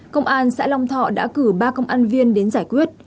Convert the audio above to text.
công an xã long thọ đã cử ba công an viên đến giải quyết